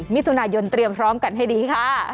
มิถุนายนเตรียมพร้อมกันให้ดีค่ะ